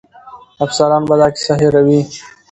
افسران به دا کیسه هېروي.